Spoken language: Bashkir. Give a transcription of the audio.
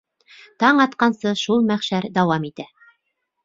Таң атҡансы шул мәхшәр дауам итә.